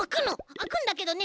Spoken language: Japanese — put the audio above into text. あくんだけどね